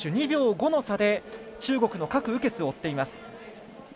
２秒５の差で中国の郭雨潔を追っています。